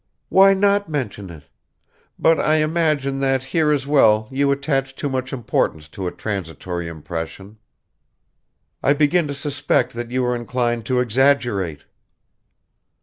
"Why not mention it? But I imagine that here as well you attach too much importance to a transitory impression. I begin to suspect that you are inclined to exaggerate."